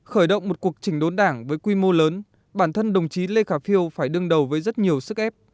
khởi động một cuộc trình đốn đảng với quy mô lớn bản thân đồng chí lê khả phiêu phải đương đầu với rất nhiều sức ép